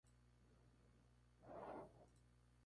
Cristo perteneciente a la hermandad de la Soledad.